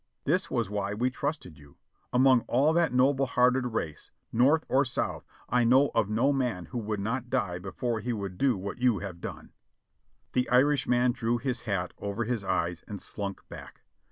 This was why we trusted you. Among all that noble hearted race. North or South, I know of no man who would not die before he would do what you have done!" The Irishman drew his hat over his eyes and slunk back.